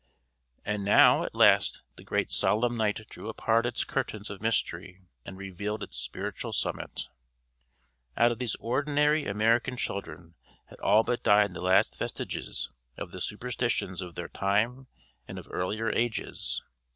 And now at last the Great Solemn Night drew apart its curtains of mystery and revealed its spiritual summit. Out of these ordinary American children had all but died the last vestiges of the superstitions of their time and of earlier ages.